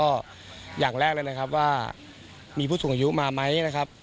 ก็อย่างแรกเลยนะครับว่ามีผู้สูงอายุมาไหมนะครับ